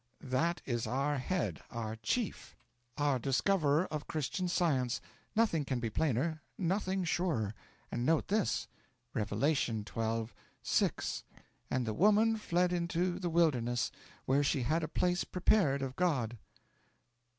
'That is our Head, our Chief, our Discoverer of Christian Science nothing can be plainer, nothing surer. And note this: '"Revelation xii. 6. And the woman fled into the wilderness, where she had a place prepared of God."